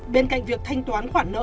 bên cạnh việc thanh toán khoản nợ